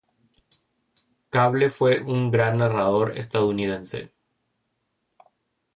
Cable fue un gran narrador estadounidense.